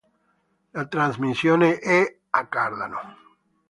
La trasmissione è a cardano.